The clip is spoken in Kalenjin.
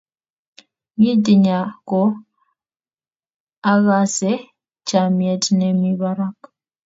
ng'i tinya ko akase chamiet nemi barak